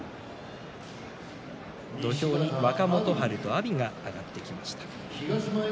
土俵に若元春と阿炎が上がってきました。